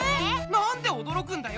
なんでおどろくんだよ？